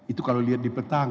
itu kalau lihat di petang